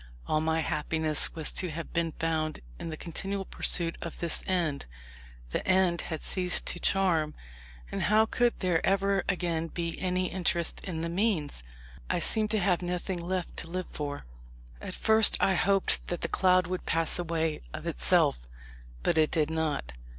All my happiness was to have been found in the continual pursuit of this end. The end had ceased to charm, and how could there ever again be any interest in the means? I seemed to have nothing left to live for. At first I hoped that the cloud would pass away of itself; but it did not.